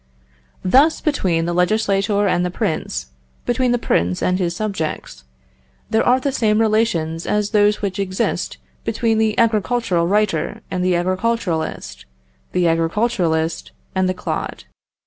Thus, between the legislator and the prince, between the prince and his subjects, there are the same relations as those which exist between the agricultural writer and the agriculturist, the agriculturist and the clod.